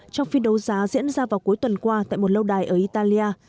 trong phiên đấu giá diễn ra vào cuối tuần qua tại một lâu đài ở italia